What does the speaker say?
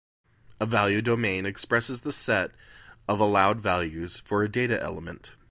A value domain expresses the set of allowed values for a data element.